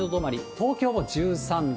東京も１３度。